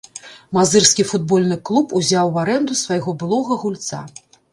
Мазырскі футбольны клуб узяў у арэнду свайго былога гульца.